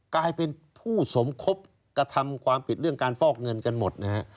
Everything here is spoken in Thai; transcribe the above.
กลายเป็นผู้สมคบกระทำความผิดเรื่องการฟอกเงินกันหมดนะฮะ